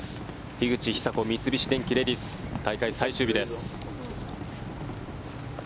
樋口久子三菱電機レディス大会最終日です。